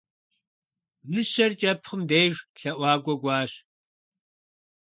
Мыщэр кӀэпхъым деж лъэӀуакӀуэ кӀуащ.